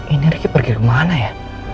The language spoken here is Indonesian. ini riki pergi kemana ya